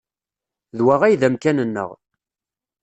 D wa ay d amkan-nneɣ.